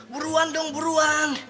buruan dong buruan